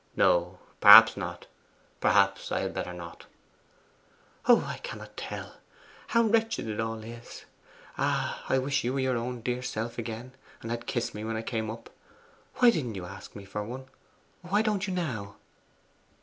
No, perhaps not; perhaps I had better not.' 'Oh, I cannot tell! How wretched it all is! Ah, I wish you were your own dear self again, and had kissed me when I came up! Why didn't you ask me for one? why don't you now?